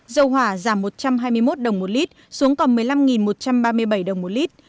dầu hỏa giảm một trăm hai mươi một đồng một lít xuống còn một mươi năm một trăm ba mươi bảy đồng một lít